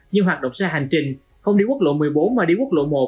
như hoạt động xe hành trình không đi quốc lộ một mươi bốn mà đi quốc lộ một